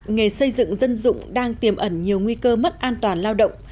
nghề xây dựng dân dụng đang tiềm ẩn nhiều nguy cơ mất an toàn lao động